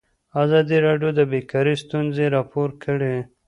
ازادي راډیو د بیکاري ستونزې راپور کړي.